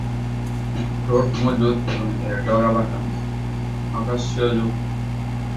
ঠোঁট মজবুত এবং এর ডগা বাঁকানো, আকর্ষীযুক্ত।